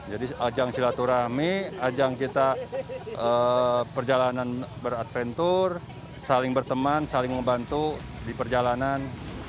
jadi ajang silaturahmi ajang kita perjalanan beradventur saling berteman saling membantu di perjalanan